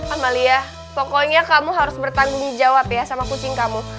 amalia pokoknya kamu harus bertanggung jawab ya sama kucing kamu